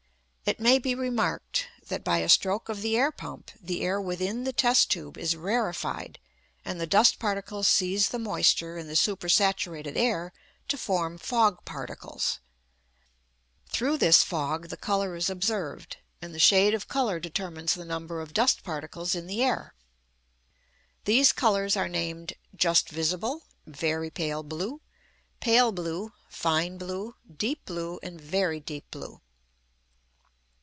It may be remarked that, by a stroke of the air pump, the air within the test tube is rarefied and the dust particles seize the moisture in the super saturated air to form fog particles; through this fog the colour is observed, and the shade of colour determines the number of dust particles in the air. These colours are named "just visible," "very pale blue," "pale blue," "fine blue," "deep blue," and "very deep blue."